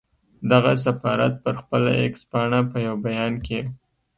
دغه سفارت پر خپله اېکس پاڼه په یو بیان کې